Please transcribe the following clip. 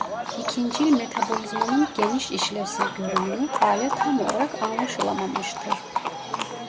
İkincil metabolizmanın geniş işlevsel görünümü hala tam olarak anlaşılamamıştır.